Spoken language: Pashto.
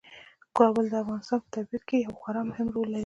کابل د افغانستان په طبیعت کې یو خورا مهم رول لري.